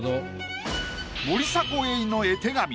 森迫永依の絵手紙